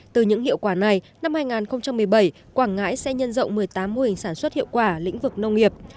từ những hiệu quả này năm hai nghìn một mươi bảy quảng ngãi sẽ nhân rộng một mươi tám mô hình sản xuất hiệu quả lĩnh vực nông nghiệp